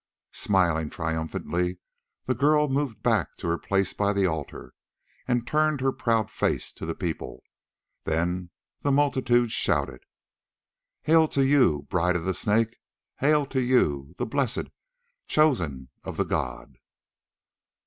Smiling triumphantly the girl moved back to her place by the altar, and turned her proud face to the people. Then the multitude shouted: "Hail to you, bride of the Snake! Hail to you, the blessed, chosen of the god!"